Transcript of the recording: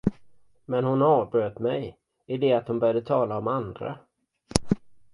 Men hon avbröt mig, i det hon började tala om andra.